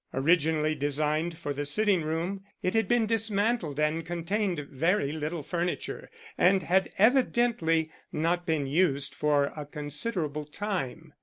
Originally designed for the sitting room, it had been dismantled and contained very little furniture, and had evidently not been used for a considerable time.